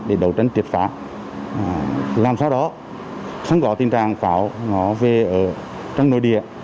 trong trận triệt pháo làm sao đó sáng gõ tình trạng pháo nó về ở trong nội địa